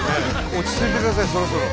落ち着いてくださいそろそろ。